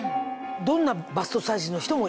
どんなバストサイズの人もいける？